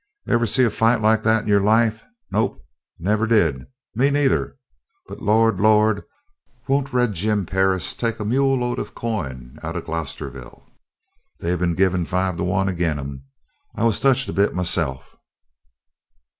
"Ever see a fight like that in your life? Nope, you never did! Me neither! But Lord, Lord, won't Red Jim Perris take a mule load of coin out of Glosterville! They been giving five to one agin him. I was touched a bit myself."